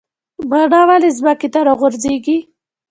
مڼه ولې ځمکې ته راغورځیږي؟